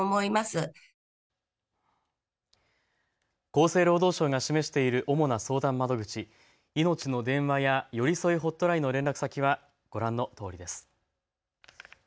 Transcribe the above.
厚生労働省が示している主な相談窓口、いのちの電話やよりそいホットラインの連絡先はご覧のとおりです。